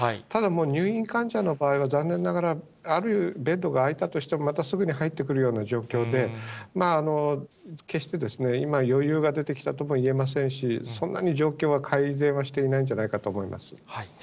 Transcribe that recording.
ただもう入院患者の場合は、残念ながら、あるベッドが空いたとしても、またすぐに入ってくるような状況で、まあ、決して今、余裕が出てきたとも言えませんし、そんなに状況は改善はしていないんじゃないかと思います。